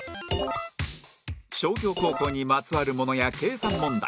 商業高校にまつわるものや計算問題